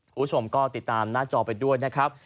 คุณผู้ชมก็ติดตามหน้าจอไปด้วยนะครับ